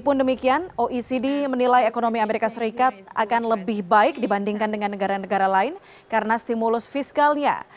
oecd menilai ekonomi as akan lebih baik dibandingkan dengan negara negara lain karena stimulus fiskalnya